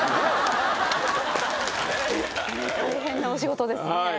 大変なお仕事ですね。